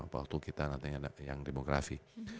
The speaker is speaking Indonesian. waktu kita nantinya yang demografi